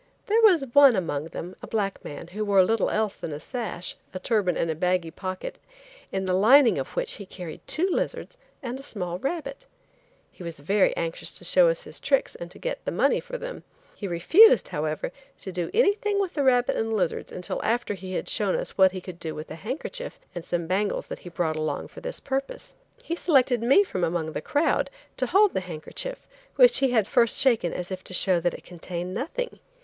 There was one among them, a black man, who wore little else than a sash, a turban and a baggy pocket, in the lining of which he carried two lizards and a small rabbit. He was very anxious to show us his tricks and to get the money for them. He refused, however, to do anything with the rabbit and lizards until after he had shown us what he could do with a handkerchief and some bangles that he brought along for this purpose. He selected me from among the crowd, to hold the handkerchief, which he had first shaken as if to show us that it contained nothing.